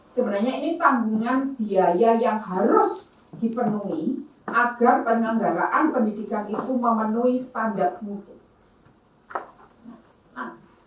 sebenarnya ini tanggungan biaya yang harus dipenuhi agar penyelenggaraan pendidikan itu memenuhi standar mungkin